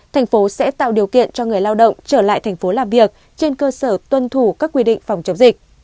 thành phố sẽ tạo điều kiện cho người lao động trở lại thành phố làm việc trên cơ sở tuân thủ các quy định phòng chống dịch